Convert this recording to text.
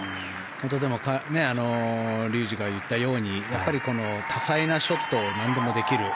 でも、竜二が言ったように多彩なショットを何でもできる。